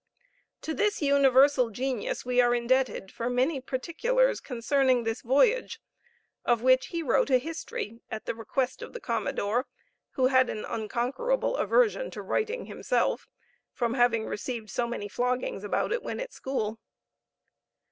To this universal genius are we indebted for many particulars concerning this voyage, of which he wrote a history, at the request of the commodore, who had an unconquerable aversion to writing himself, from having received so many floggings about it when at school.